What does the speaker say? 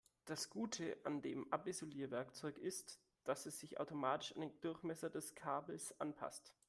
Das Gute an dem Abisolierwerkzeug ist, dass es sich automatisch an den Durchmesser des Kabels anpasst.